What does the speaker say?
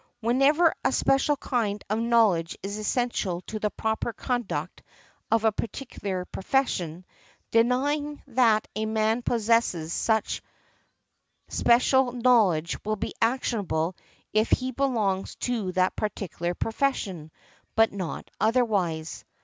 Whenever a special kind of knowledge is essential to the proper conduct of a particular profession, denying that a man possesses such special knowledge will be actionable if he belongs to that particular profession, but not otherwise.